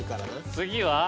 次は？